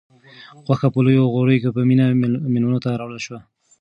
غوښه په لویو غوریو کې په مینه مېلمنو ته راوړل شوه.